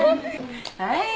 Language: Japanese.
はい。